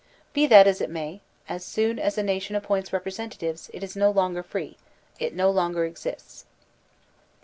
Be that as it may, as soon as a nation appoints representatives, it is no longer free; it no longer exists.